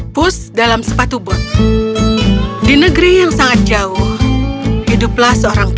pus dalam sepatu bot